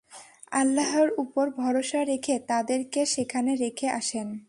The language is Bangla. আল্লাহর উপর ভরসা রেখে তাদেরকে সেখানে রেখে আসেন।